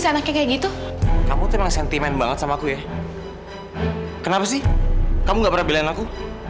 senang kayak gitu kamu senyum banget sama aku ya kenapa sih kamu nggak bilang aku